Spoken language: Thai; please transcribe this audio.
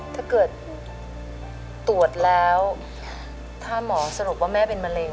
ถ้าเกิดตรวจแล้วถ้าหมอสรุปว่าแม่เป็นมะเร็